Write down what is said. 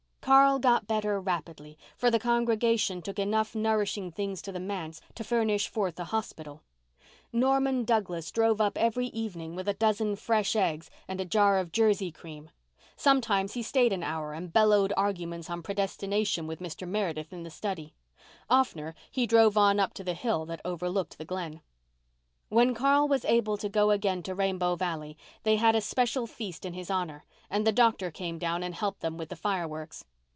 Carl got better rapidly, for the congregation took enough nourishing things to the manse to furnish forth a hospital. Norman Douglas drove up every evening with a dozen fresh eggs and a jar of Jersey cream. Sometimes he stayed an hour and bellowed arguments on predestination with Mr. Meredith in the study; oftener he drove on up to the hill that overlooked the Glen. When Carl was able to go again to Rainbow Valley they had a special feast in his honour and the doctor came down and helped them with the fireworks.